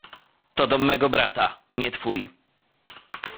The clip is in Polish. — To dom mego brata, nie twój!